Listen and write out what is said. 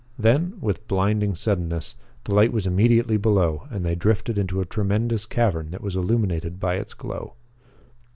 Then, with blinding suddenness, the light was immediately below and they drifted into a tremendous cavern that was illuminated by its glow.